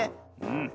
うん。